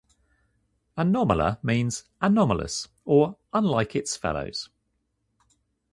'Anomala' means 'anomalous' or 'unlike its fellows'.